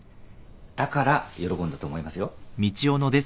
だから喜んだと思いますよ。